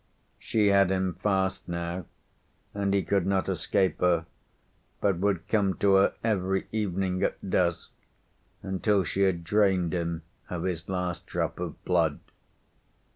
She had him fast now, and he could not escape her, but would come to her every evening at dusk until she had drained him of his last drop of blood.